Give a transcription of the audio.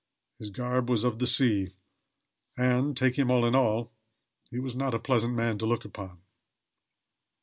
His garb was of the sea, and, take him all in all, he was not a pleasant man to look upon.